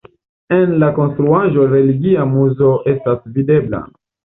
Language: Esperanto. En la konstruaĵo religia muzo estas videbla.